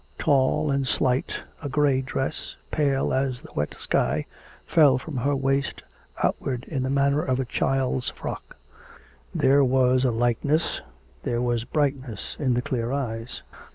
Tall and slight, a grey dress, pale as the wet sky, fell from her waist outward in the manner of a child's frock. There was a lightness, there was brightness in the clear eyes.